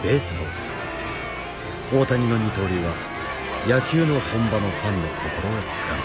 大谷の二刀流は野球の本場のファンの心をつかんだ。